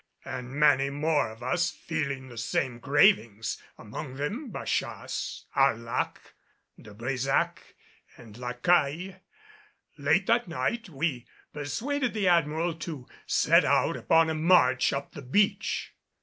And many more of us feeling the same cravings, among them Bachasse, Arlac, De Brésac and La Caille, late that night we persuaded the Admiral to set out upon a march up the beach.